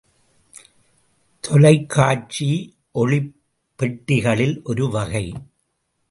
தொலைக்காட்சி ஒளிப்பெட்டிகளில் ஒரு வகை.